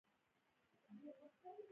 زه د مایکروفون اجازه ورکوم.